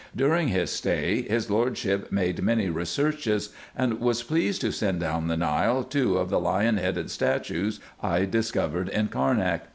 During his stay, his Lordship made many researches, and was pleased to send down the Nile two of the lion headed statues I discovered in Carnak.